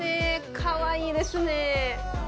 かわいいですね。